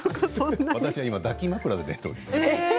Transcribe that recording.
私は今、抱き枕で寝ております。